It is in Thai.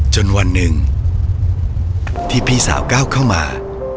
จนวันหนึ่งที่พี่สาวก้าวเข้ามา